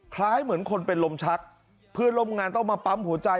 คล้ายเหมือนคนเป็นลมชักเพื่อนร่วมงานต้องมาปั๊มหัวใจ